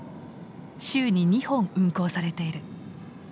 週に２本運行されている。